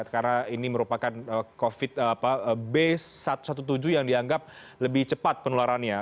karena ini merupakan covid b satu ratus tujuh belas yang dianggap lebih cepat penularannya